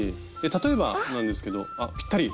例えばなんですけどあっぴったり！